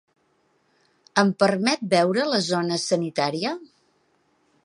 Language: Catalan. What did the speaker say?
Em permet veure la zona sanitària?